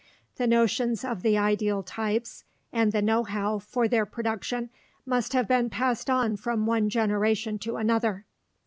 The notions of the ideal types and the know how for their production must have been passed on from one generation to another.